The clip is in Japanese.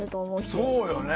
そうよね。